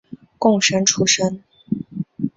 贡生出身。